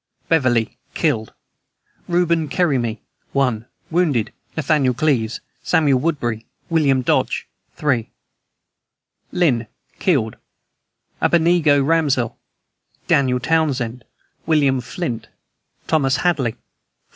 BEVERLY. Killed: Reuben Kerryme, 1. Wounded: Nathaniel Cleves, Samuel Woodbury, William Dodge, 3. LYNN. Killed: Abednego Ramsdell, Daniel Townsend, William Flint, Thomas Hadley, 4.